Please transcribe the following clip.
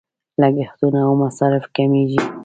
لګښتونه او مصارف کمیږي.